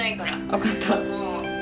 分かった。